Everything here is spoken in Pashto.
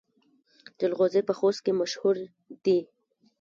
جلغوزي په خوست کې مشهور دي